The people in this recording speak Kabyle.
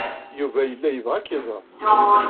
Yuba yella yebɣa ad k-iẓer.